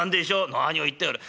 「何を言っておる。